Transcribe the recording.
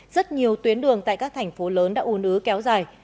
rất nhiều tuyến đường tại các thành phố lớn đã un ứ kéo dài